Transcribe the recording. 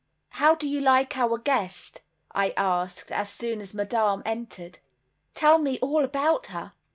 "How do you like our guest?" I asked, as soon as Madame entered. "Tell me all about her?"